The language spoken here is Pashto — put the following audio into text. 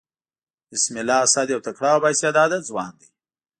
بسم الله اسد يو تکړه او با استعداده ځوان دئ.